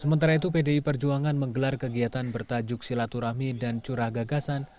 sementara itu pdi perjuangan menggelar kegiatan bertajuk silaturahmi dan curah gagasan